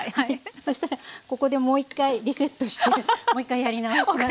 そしたらここでもう一回リセットしてもう一回やり直して下さい。